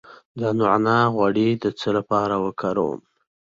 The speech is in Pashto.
د نعناع غوړي د څه لپاره وکاروم؟